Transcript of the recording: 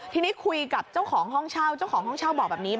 ทีนี้คุยกับเจ้าของห้องเช่าเจ้าของห้องเช่าบอกแบบนี้